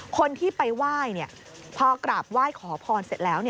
คนที่ไปไหว้พอกราบไหว้ขอพรเสร็จแล้ว